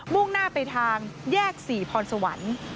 ่งหน้าไปทางแยก๔พรสวรรค์